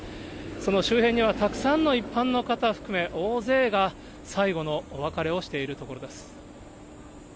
その周辺には、たくさんの一般の方含め、大勢が最後のお別れをしているところです。